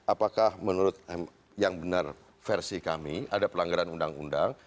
apakah menurut yang benar versi kami ada pelanggaran undang undang